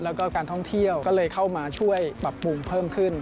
แล้วก็การท่องเที่ยวก็เลยเข้ามาช่วยปรับปรุงเพิ่มขึ้น